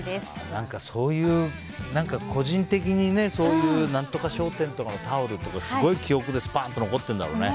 何かそういう個人的に何とか商店とかのタオルとか、すごい記憶で残ってるんだろうね。